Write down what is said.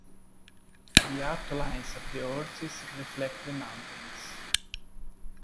The outlines of the horses reflect the mountains.